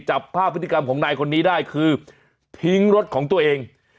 จับภาพพฤติกรรมของนายคนนี้ได้คือทิ้งรถของตัวเอง